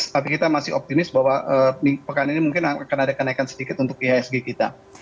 tapi kita masih optimis bahwa pekan ini mungkin akan ada kenaikan sedikit untuk ihsg kita